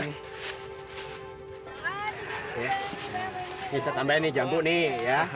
bisa tambah nih jambu nih ya